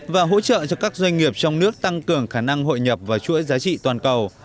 và hỗ trợ cho các doanh nghiệp trong nước tăng cường khả năng hội nhập vào chuỗi giá trị toàn cầu